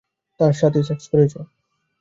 তার সাথে সেক্স করেছ?